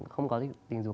không có tình dục